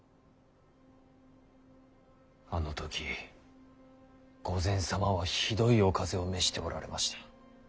あの時御前様はひどいお風邪を召しておられました。